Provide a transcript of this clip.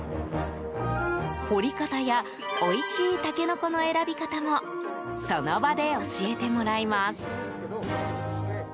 掘り方やおいしいタケノコの選び方もその場で教えてもらえます。